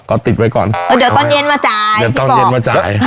ก็ติดไว้ก่อนเออเดี๋ยวตอนเย็นมาจ่ายเดี๋ยวตอนเย็นมาจ่าย